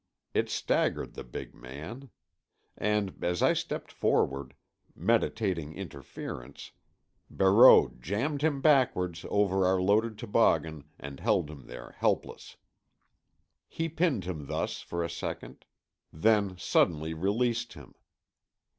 It staggered the big man. And as I stepped forward, meditating interference, Barreau jammed him backward over our loaded toboggan, and held him there helpless. He pinned him thus for a second; then suddenly released him.